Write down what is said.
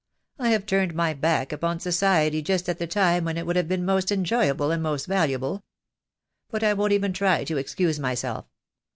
I have turned my back upon society just at the time when it would have been most enjoyable and most valuable. But I won't even try to excuse my self.